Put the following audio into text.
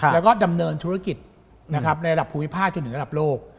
แล้วก็ดำเนินธุรกิจในระดับภูมิภาคจนถึงระดับโลก